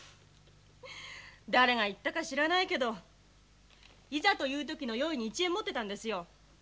誰が言ったか知らないけどいざという時の用意に１円持ってたんですよ。